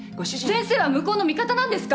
先生は向こうの味方なんですか？